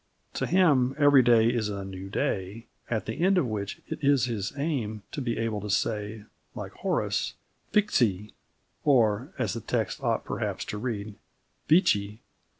To him every day is a new day, at the end of which it is his aim to be able to say, like Horace, Vixi, or, as the text ought perhaps to read, Vici.